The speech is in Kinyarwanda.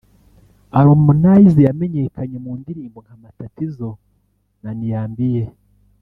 Harmonize yamenyekanye mu ndirimbo nka Matatizo na Niambie